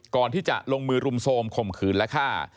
ก่อนที่จะลงมือรุมโทรมข่มขืนและฆ่า